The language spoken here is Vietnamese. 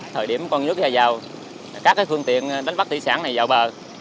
thời điểm con nước ra vào các phương tiện đánh bắt thủy sản này vào bờ